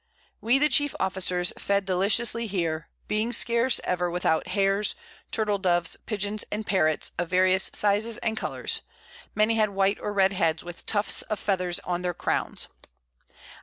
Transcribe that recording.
We the chief Officers fed deliciously here, being scarce ever without Hares, Turtle Doves, Pigeons, and Parrots of various Sizes and Colours, many had white or red Heads, with Tufts of Feathers on their Crowns.